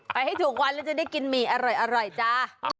ให้ถูกวันแล้วจะได้กินหมี่อร่อยจ้า